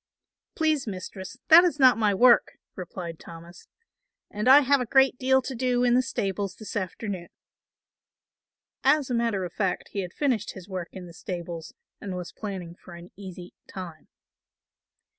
"Please, Mistress, that is not my work," replied Thomas, "and I have a great deal to do in the stables this afternoon." As a matter of fact he had finished his work in the stables and was planning for an easy time.